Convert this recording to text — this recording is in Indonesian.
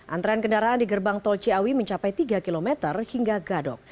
antrean kendaraan di gerbang tol ciawi mencapai tiga km hingga gadok